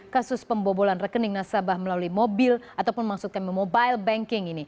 kasus pembobolan rekening nasabah melalui mobil ataupun maksud kami mobile banking